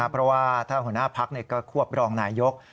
เพราะว่าถ้าหัวหน้าพักก็ควบรองนายก